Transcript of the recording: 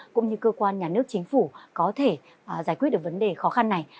cũng như cơ quan nhà nước chính phủ có thể giải quyết được vấn đề khó khăn này